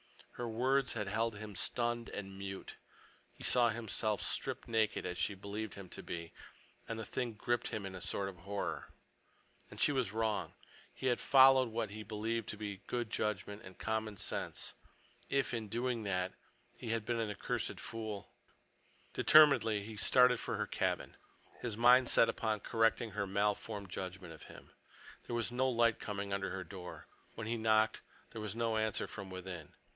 Her words had held him stunned and mute. He saw himself stripped naked, as she believed him to be, and the thing gripped him with a sort of horror. And she was wrong. He had followed what he believed to be good judgment and common sense. If, in doing that, he had been an accursed fool— Determinedly he started for her cabin, his mind set upon correcting her malformed judgment of him. There was no light coming under her door. When he knocked, there was no answer from within.